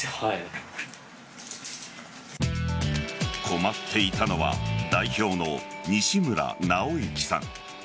困っていたのは代表の西村直之さん。